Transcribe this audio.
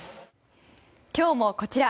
今日もこちら。